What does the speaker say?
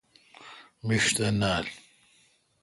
مݭ تھ نال۔